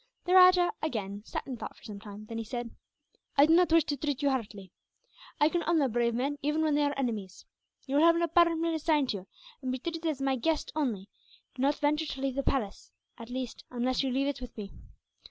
The rajah again sat in thought for some time, then he said: "I do not wish to treat you harshly. I can honour brave men, even when they are enemies. You will have an apartment assigned to you here, and be treated as my guest; only, do not venture to leave the palace at least, unless you leave it with me.